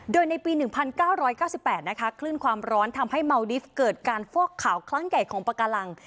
โดยในปีหนึ่งพันเก้าร้อยเก้าสิบแปดนะคะคลื่นความร้อนทำให้เมาดีฟเกิดการฟอกข่าวคลั้งใหญ่ของประกาฬัง